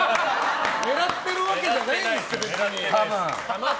狙ってるわけじゃないですよ。